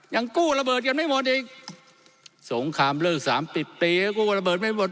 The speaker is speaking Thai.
ยังกู้ระเบิดกันไม่หมดอีกสงครามเลิกสามสิบปีก็กู้ระเบิดไม่หมด